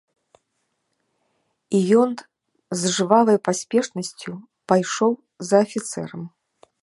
І ён з жвавай паспешнасцю пайшоў за афіцэрам.